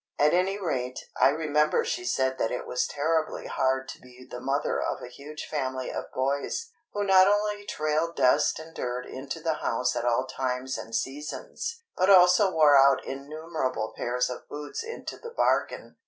At any rate, I remember she said that it was terribly hard to be the mother of a huge family of boys, who not only trailed dust and dirt into the house at all times and seasons, but also wore out innumerable pairs of boots into the bargain.